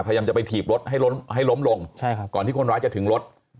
พยายามจะไปถีบรถให้ล้มลงก่อนที่คนร้ายจะถึงรถ